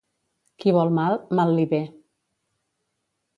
Qui vol mal, mal li ve.